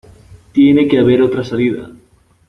Tiene que haber otra salida.